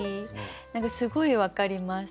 何かすごい分かります。